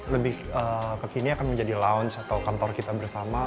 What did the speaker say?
lebih kekini akan menjadi lounge atau kantor kita bersama